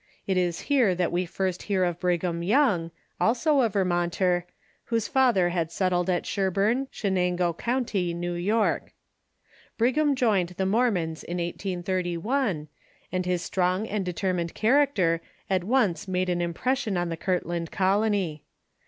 It is here that we first hear „.^^, of Brigham Young, also a Yermonter, whose fa Varieci Fortunes c:' o' ? ther had settled at Sherburne, Chenango County, New York. Brigham joined the Mormons in 1831, and his strong and determined character at once made an impression on the Kirtland colony.